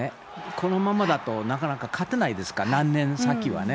このままだと、なかなか勝てないですから、何年先はね。